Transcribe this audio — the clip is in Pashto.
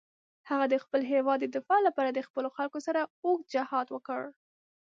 هغه د خپل هېواد د دفاع لپاره د خپلو خلکو سره اوږد جهاد وکړ.